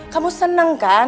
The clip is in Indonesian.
kamu seneng kan